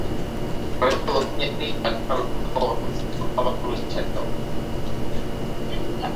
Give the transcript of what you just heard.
Urrezko domina honi banaka lortutako brontzezkoa batu behar zaio.